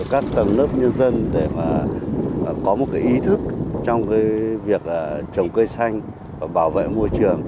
các tầng lớp nhân dân để mà có một ý thức trong việc trồng cây xanh và bảo vệ môi trường